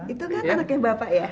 itu kan anaknya bapak ya